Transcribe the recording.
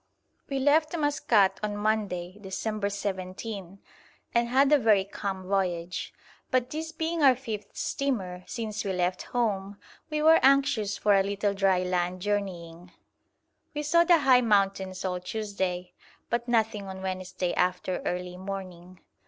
We left Maskat on Monday, December 17, and had a very calm voyage, but this being our fifth steamer since we left home, we were anxious for a little dry land journeying. We saw the high mountains all Tuesday, but nothing on Wednesday after early morning.